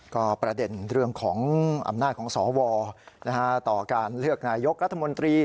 ก็ประเด็นเรื่องของอำนาจของสวต่อการเลือกนายกรัฐมนตรี